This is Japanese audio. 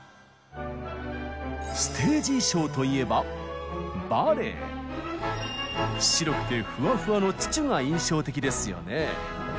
ステージ衣装といえば白くてふわふわのチュチュが印象的ですよね。